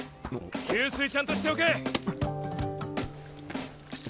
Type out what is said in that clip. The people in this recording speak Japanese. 給水ちゃんとしておけ！